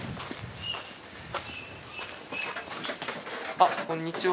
あっこんにちは。